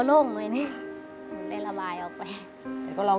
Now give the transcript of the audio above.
รักแม่หมากคือจริง